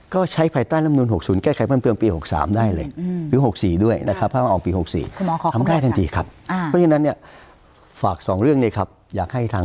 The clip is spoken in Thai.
ก็ใช้ภายใต้ร่ำนวล๖๐แก้ไขเพิ่มเติมปี๖๓ได้เลย